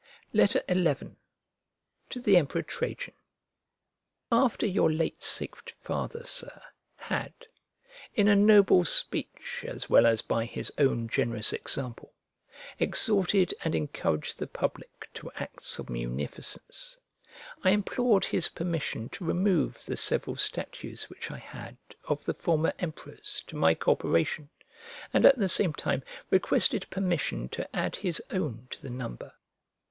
XI To THE EMPEROR TRAJAN AFTER your late sacred father, Sir, had, in a noble speech, as well as by his own generous example, exhorted and encouraged the public to acts of munificence, I implored his permission to remove the several statues which I had of the former emperors to my corporation, and at the same time requested permission to add his own to the number.